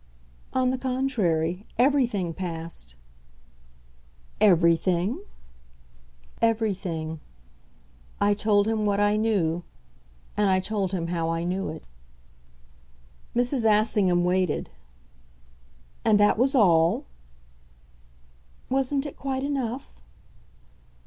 "On the contrary, everything passed." "Everything ?" "Everything. I told him what I knew and I told him how I knew it." Mrs. Assingham waited. "And that was all?" "Wasn't it quite enough?"